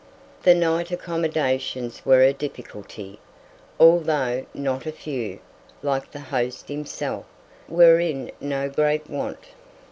The night accommodations were a difficulty, although not a few, like the host himself, were in no great want.